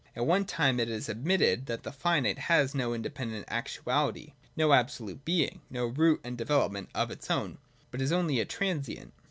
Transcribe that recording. At one time it is admitted that the finite has no independent actuality, no absolute being, no root and development of its own, but is only a transient.